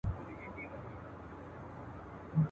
تر لمسیو کړوسیو مو بسیږي !.